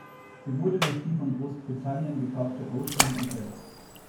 Sie wurde durch die von Großbritannien gekaufte "Ocean" ersetzt.